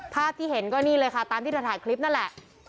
ภาพที่เห็นก็นี่เลยค่ะตามที่เธอถ่ายคลิปนั่นแหละ